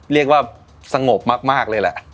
เรียกว่าสงบมากเลยแหละ